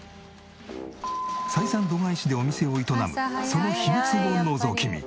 採算度外視でお店を営むその秘密をのぞき見。